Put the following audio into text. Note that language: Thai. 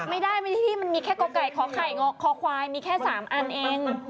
ไม่ได้ที่มันมีแค่ก่อไก่ขอไข่คอควายมีแค่๓อันเอง